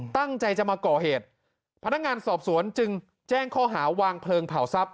ตั้งใจจะมาก่อเหตุพนักงานสอบสวนจึงแจ้งข้อหาวางเพลิงเผาทรัพย